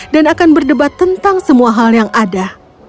dan akan berdebat tentang semua hal yang ada